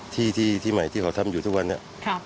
ที่ใหม่ที่เขาทำอยู่ทุกวันนี้